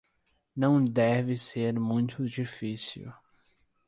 Não deve ser muito difícil